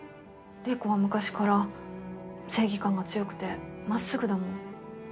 玲子は昔から正義感が強くて真っすぐだもん。